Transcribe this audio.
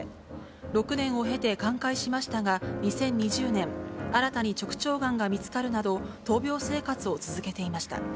６年を経て寛解しましたが、２０２０年、新たに直腸がんが見つかるなど、闘病生活を続けていました。